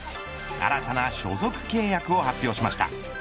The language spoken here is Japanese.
新たな所属契約を発表しました。